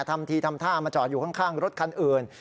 ทำทีทำท่ามาจอดอยู่ข้างรถคันอื่น